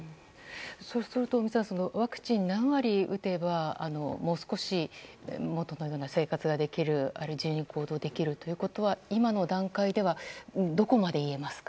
そうするとワクチンを何割打てばもう少し元のような生活ができるということは今の段階ではどこまで言えますか？